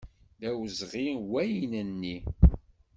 D awezɣi wayen-nni.